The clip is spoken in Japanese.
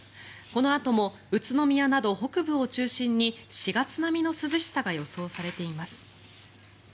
このあとも宇都宮など北部を中心に４月並みの涼しさが予想されています。